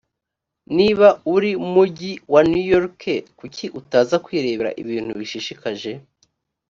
niba uri mugi wa new york kuki utaza kwirebera ibintu bishishikaje